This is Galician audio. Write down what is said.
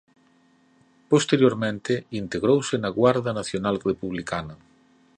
Posteriormente integrouse na Guardia Nacional Republicana.